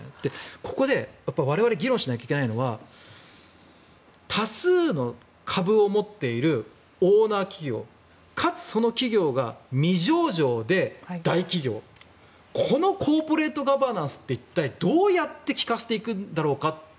ここで我々議論しないといけないのは多数の株を持っているオーナー企業かつその企業が未上場で大企業このコーポレートガバナンスって一体どうやって利かせていくんだろうか。